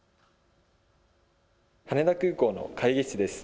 羽田空港の会議室です。